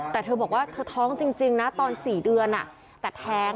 แต่เธอบอกว่าเธอท้องจริงนะตอน๔เดือนแต่แท้ง